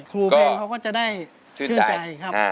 ครูเพลงเขาก็จะได้ชื่นใจครับ